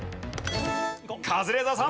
カズレーザーさん。